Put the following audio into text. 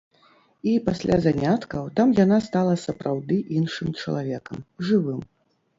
І пасля заняткаў там яна стала сапраўды іншым чалавекам, жывым.